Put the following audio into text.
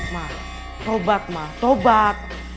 ma tobat ma tobat